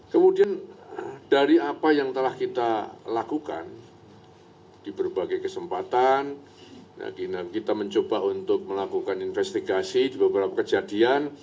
kemudian dari apa yang telah kita lakukan di berbagai kesempatan kita mencoba untuk melakukan investigasi di beberapa kejadian